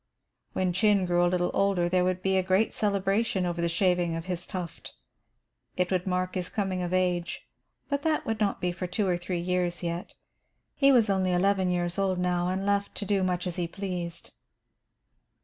When Chin grew a little older there would be a great celebration over the shaving of his tuft. It would mark his "coming of age," but that would not be for two or three years yet. He was only eleven years old now and was left to do much as he pleased.